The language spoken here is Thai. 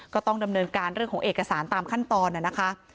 ก็ต้องดำเนินการเรื่องของเอกสารตามขั้นตอนนะคะ